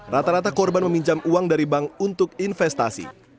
rata rata korban meminjam uang dari bank untuk investasi